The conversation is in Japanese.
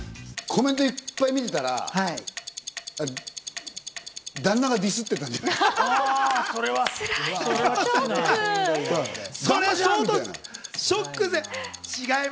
コメントいっぱい見てたら、旦那がディスってたんじゃない？